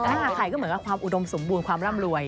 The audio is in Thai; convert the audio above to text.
ไข่ก็เหมือนกับความอุดมสมบูรณ์ความร่ำรวย